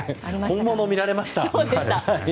本物を見られました。